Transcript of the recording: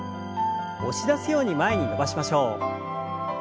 押し出すように前に伸ばしましょう。